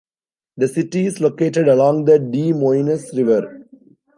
The city is located along the Des Moines River.